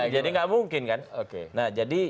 jadi gak mungkin kan nah jadi